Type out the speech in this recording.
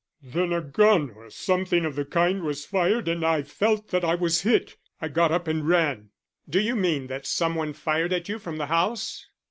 Then a gun or something of the kind was fired and I felt that I was hit. I got up and ran." "Do you mean that some one fired at you from the house?"